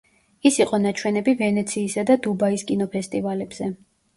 ის იყო ნაჩვენები ვენეციისა და დუბაის კინოფესტივალებზე.